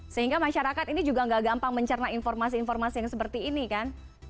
sehingga masyarakat ini juga nggak gampang mencerna informasi informasi yang seperti ini kan